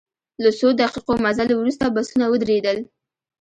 له څو دقیقو مزل وروسته بسونه ودرېدل.